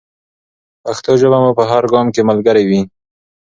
پښتو ژبه مو په هر ګام کې ملګرې وي.